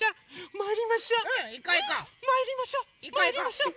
まいりましょ！